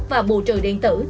và bù trừ điện tử